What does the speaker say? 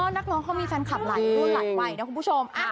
นักน้องเขามีฟันคลับไหลพูดไหลไหวนะคุณผู้ชม